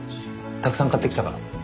たくさん買ってきたから。